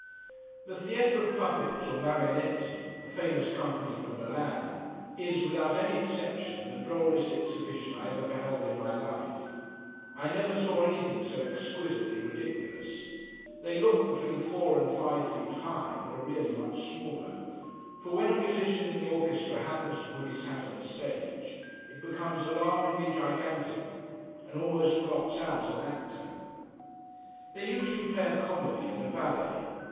The Theatre of Puppets, or Marionetti—a famous company from Milan—is, without any exception, the drollest exhibition I ever beheld in my life. I never saw anything so exquisitely ridiculous. They look between four and five feet high, but are really much smaller; for when a musician in the orchestra happens to put his hat on the stage, it becomes alarmingly gigantic, and almost blots out an actor. They usually play a comedy, and a ballet.